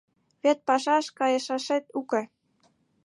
Вет пашаш кайышашет уке.